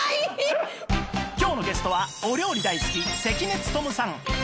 今日のゲストはお料理大好き関根勤さん